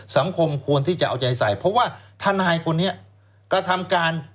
สังคมควรที่จะเอาใจใส่เพราะว่าทนายคนนี้กระทำการ